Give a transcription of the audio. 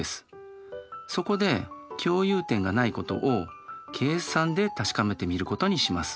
そこで共有点がないことを計算で確かめてみることにします。